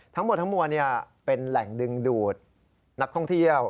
ทั้งหมดทั้งมวลเป็นแหล่งดึงดูดนักท่องเที่ยว